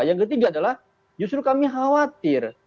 yang ketiga adalah justru kami khawatir